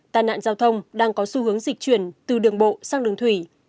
tai nạn giao thông đang có xu hướng dịch chuyển từ đường bộ sang đường thủy